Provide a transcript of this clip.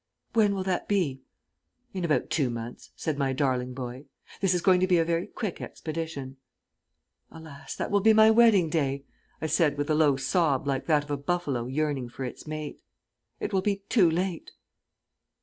"When will that be?" "In about two months," said my darling boy. "This is going to be a very quick expedition." "Alas, that will be my wedding day," I said with a low sob like that of a buffalo yearning for its mate. "It will be too late."